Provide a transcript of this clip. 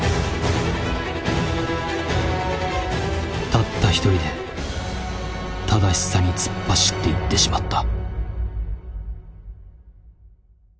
たった１人で正しさに突っ走っていってしまった。